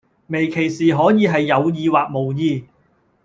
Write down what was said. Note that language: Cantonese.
微歧視可以係有意或無意